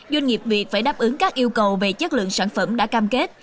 doanh nghiệp việt phải đáp ứng các yêu cầu về chất lượng sản phẩm đã cam kết